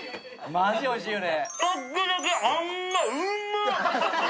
マジ、おいしいよね。